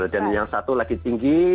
dan yang satu lagi tinggi